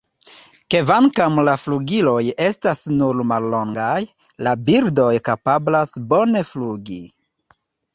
Kvankam la flugiloj estas nur mallongaj, la birdoj kapablas bone flugi.